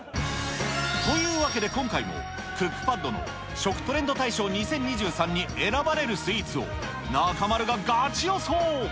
というわけで今回も、クックパッドの食トレンド大賞２０２３に選ばれるスイーツを、中丸がガチ予想。